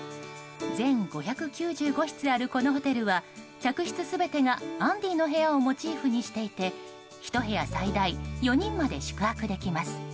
全５９５室あるこのホテルは客室全てがアンディの部屋をモチーフにしていてひと部屋最大４人まで宿泊できます。